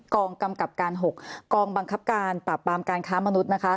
กองกำกับการ๖กองบังคับการปราบปรามการค้ามนุษย์นะคะ